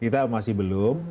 kita masih belum